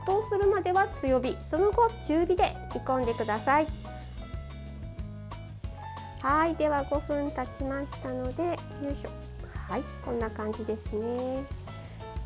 では、５分たちましたのでこんな感じですね。